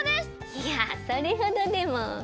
いやそれほどでも。